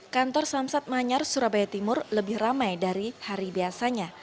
kantor samsat manyar surabaya timur lebih ramai dari hari biasanya